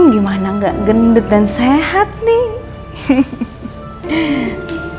gimana gak gendut dan sehat nih